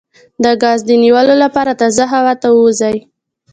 د ګاز د نیولو لپاره تازه هوا ته ووځئ